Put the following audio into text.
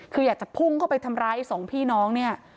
คืออยากจะพุ่งเข้าไปทำร้ายสองพี่น้องเนี่ย